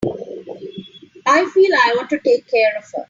I feel I ought to take care of her.